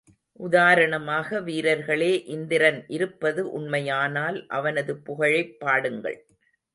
உதாரணமாக, வீரர்களே இந்திரன் இருப்பது உண்மையானால் அவனது புகழைப் பாடுங்கள்.